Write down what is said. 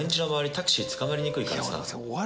タクシー捕まりにくいからさ」